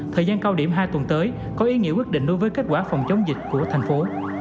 thời gian cao điểm hai tuần tới có ý nghĩa quyết định đối với kết quả phòng chống dịch của thành phố